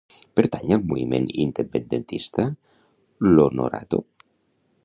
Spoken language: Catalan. Pertany al moviment independentista l'Onorato?